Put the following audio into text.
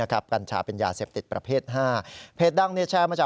กัญชาเป็นยาเสพติดประเภทห้า